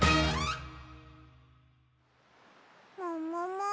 ももも？